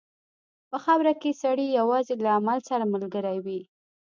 په خاوره کې سړی یوازې له عمل سره ملګری وي.